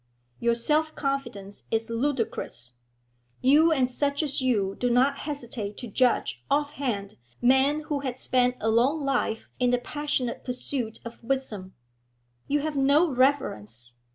Your self confidence is ludicrous; you and such as you do not hesitate to judge offhand men who have spent a long life in the passionate pursuit of wisdom. You have no reverence.